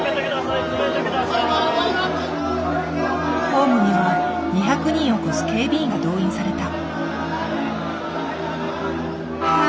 ホームには２００人を超す警備員が動員された。